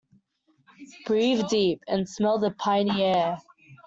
Breathe deep and smell the piny air.